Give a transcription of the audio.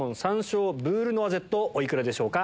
お幾らでしょうか？